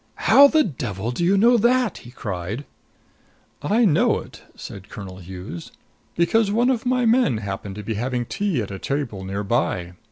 "How the devil do you know that?" he cried. "I know it," said Colonel Hughes, "because one of my men happened to be having tea at a table near by.